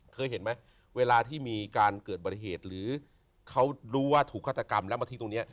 เคยเห็นไหมเวลาที่มีการเกิดบริเหตุหรือเขารู้ว่าถูกฆาตกรรมแล้วมาทิ้งตรงนี้